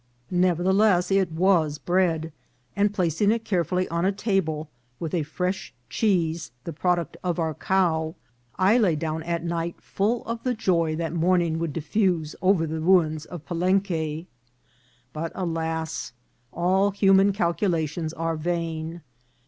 Nevertheless, it was 28 326 INCIDENTS OF TRAVEL. bread ; and placing it carefully on a table, with a fresh cheese, the product of our cow, I lay down at night full of the joy that morning would diffuse over the ru ins of Palenque ; but, alas ! all human calculations are vain.